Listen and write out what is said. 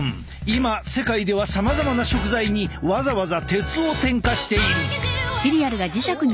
今世界ではさまざまな食材にわざわざ鉄を添加している。